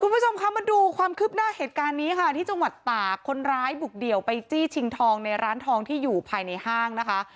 คุณผู้ชมคะมาดูความคืบหน้าเหตุการณ์นี้ค่ะที่จังหวัดตากคนร้ายบุกเดี่ยวไปจี้ชิงทองในร้านทองที่อยู่ภายในห้างนะคะ